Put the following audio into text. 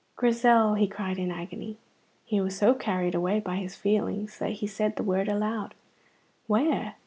"Grizel!" he cried in agony. He was so carried away by his feelings that he said the word aloud. "Where?"